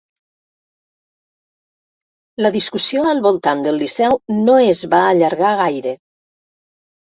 La discussió al voltant del Liceu no es va allargar gaire.